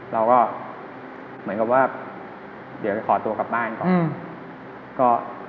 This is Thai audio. เราก็เหมือนกับว่าเดี๋ยวจะขอตัวกลับบ้านก่อน